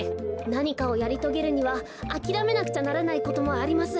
なにかをやりとげるにはあきらめなくちゃならないこともあります。